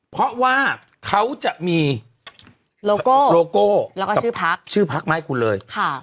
เพราะว่าเขาจะมีโลโก้แล้วก็ชื่อพักชื่อพักมาให้คุณเลย